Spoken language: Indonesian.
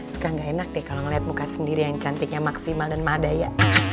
suka gak enak deh kalo ngeliat muka sendiri yang cantiknya maksimal dan madaya